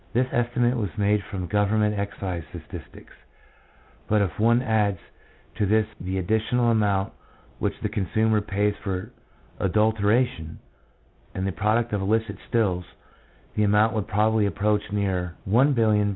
This estimate was made from government excise statistics, but if one adds to this the additional amount which the consumer pays for adulteration, and the product of illicit stills, the amount would probably approach nearer $1,500,000,000.